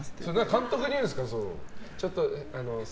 監督に言うんですか。